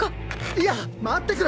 いや待ってくれ！